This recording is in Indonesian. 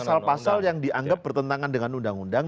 pasal pasal yang dianggap bertentangan dengan undang undang